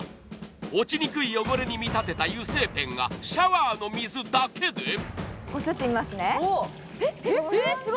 落ちにくい汚れに見立てた油性ペンがシャワーの水だけでこすってみますね。